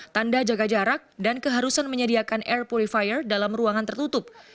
tanda jaga jarak dan keharusan menyediakan air purifier dalam ruangan tertutup